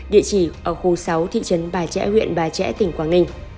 địa chỉ ở khu sáu thị trấn bà trẻ huyện bà trẻ tỉnh quảng ninh